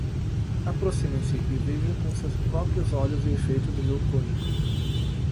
Aproximem-se e vejam com os seus próprios olhos o efeito do meu tônico!